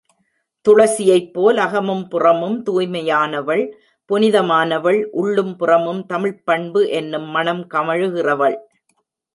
துளசியைப்போல் அகமும் புறமும் தூய்மையானவள், புனிதமானவள், உள்ளும் புறமும் தமிழ்ப் பண்பு என்னும் மணம் கமழுகிறவள்.